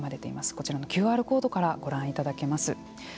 こちらのＱＲコードからご覧いただけます。